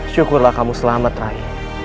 syukurlah kamu selamat rai